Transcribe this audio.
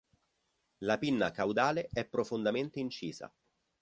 La pinna caudale è profondamente incisa.